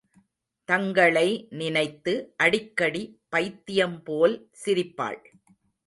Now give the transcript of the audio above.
தங்களை நினைத்து அடிக்கடி பைத்தியம் போல் சிரிப்பாள்.